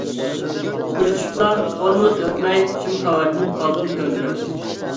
كۆرۈشۈپلا ئون مىنۇت ئۆتمەي، شۈم خەۋەردىن قالدىم گاڭگىراپ.